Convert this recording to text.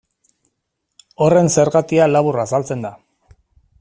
Horren zergatia labur azaltzen da.